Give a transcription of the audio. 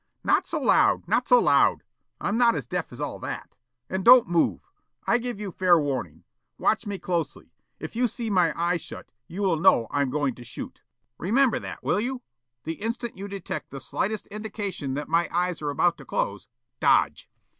"Not so loud! Not so loud! I'm not as deaf as all that. And don't move! I give you fair warning. Watch me closely. If you see me shut my eyes, you will know I'm going to shoot. Remember that, will you? The instant you detect the slightest indication that my eyes are about to close, dodge!"